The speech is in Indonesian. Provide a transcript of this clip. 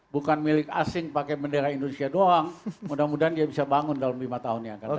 bukan milik asing pakai bendera indonesia doang mudah mudahan dia bisa bangun dalam lima tahun yang akan datang